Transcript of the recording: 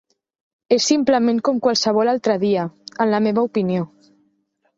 És simplement com qualsevol altre dia, en la meva opinió.